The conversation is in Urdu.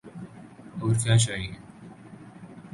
اور کیا چاہیے؟